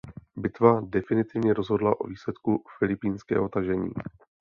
Bitva definitivně rozhodla o výsledku Filipínského tažení.